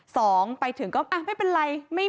สองไปถึงก็ไม่เป็นไร